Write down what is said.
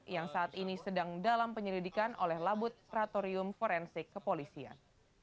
yang saat ini sedang dalam penyelidikan oleh labut pratorium forensik kepolisian